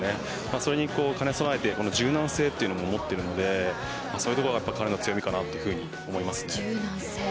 それに兼ね備えて柔軟性も持っているのでそういったところが彼の強みだと思います。